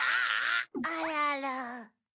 あらら。